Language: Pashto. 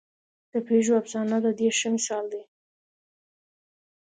د پېژو افسانه د دې ښه مثال دی.